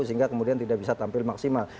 sehingga kemudian tidak bisa tampil maksimal